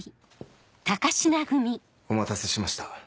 お待たせしました。